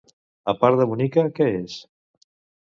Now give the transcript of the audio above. A part de bonica, què és?